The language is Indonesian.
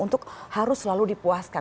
untuk harus selalu dipuaskan